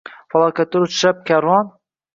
Falokatga uchrab karvon